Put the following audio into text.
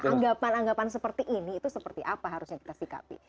anggapan anggapan seperti ini itu seperti apa harusnya kita sikapi